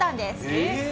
えっ？